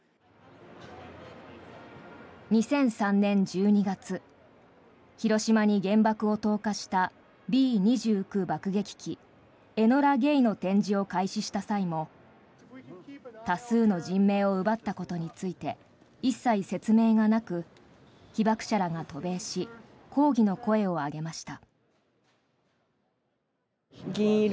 ２００３年１２月広島に原爆を投下したＢ２９爆撃機、エノラ・ゲイの展示を開始した際も多数の人命を奪ったことについて一切説明がなく被爆者らが渡米し抗議の声を上げました。